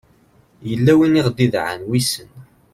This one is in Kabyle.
yella win i aɣ-d-idɛan wissen